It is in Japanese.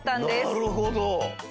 なるほど！